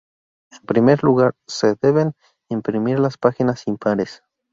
En primer lugar se deben imprimir las páginas impares.